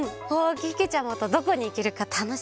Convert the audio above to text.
けけちゃまとどこにいけるかたのしみだな。